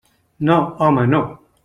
No, home, no!